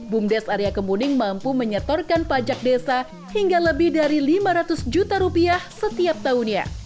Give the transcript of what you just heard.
bumdes area kemuning mampu menyetorkan pajak desa hingga lebih dari lima ratus juta rupiah setiap tahunnya